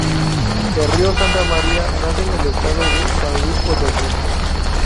El río Santa Maria nace en el Estado de San Luis Potosí.